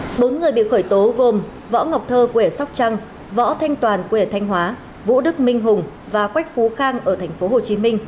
những người bị khởi tố gồm võ ngọc thơ quẻ sóc trăng võ thanh toàn quẻ thanh hóa vũ đức minh hùng và quách phú khang ở tp hcm